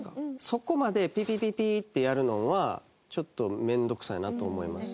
そこまでピピピピー！ってやるのはちょっと面倒くさいなと思います。